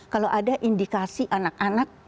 kalau ada indikasi anak anak